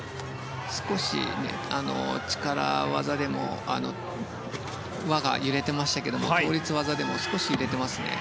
少し力技でも輪が揺れてましたけれども倒立技でも少し揺れていますね。